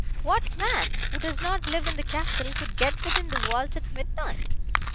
What man, who does not live in the castle, could get within the walls at midnight?